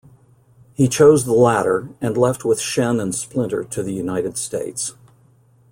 He chose the latter, and left with Shen and Splinter to the United States.